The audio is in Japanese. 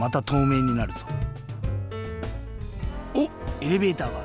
エレベーターがある。